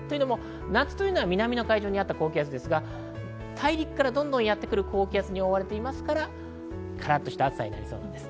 夏は南の海上にあった高気圧ですが、大陸からどんどんやってくる高気圧に覆われていますから、カラッとした暑さになったんです。